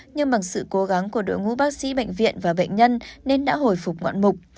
nhưng bằng sự cố gắng của đội ngũ bác sĩ bệnh viện và bệnh nhân nên đã hồi phục ngoạn mục